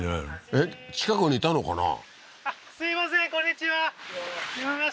えっ近くにいたのかな？